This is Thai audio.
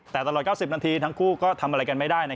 แต่ตลอด๙๐นาทีทั้งคู่ก็ทำอะไรกันไม่ได้